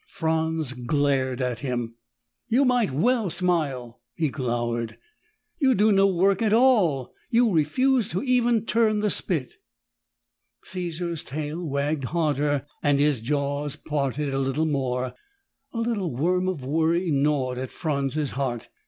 Franz glared at him. "You might well smile!" he glowered. "You do no work at all! You refuse even to turn the spit!" Caesar's tail wagged harder and his jaws parted a bit more. A little worm of worry gnawed at Franz's heart.